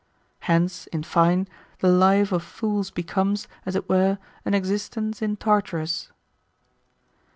Hence, in fine, the life of foold becomes, as it were, an existence in Tartarus.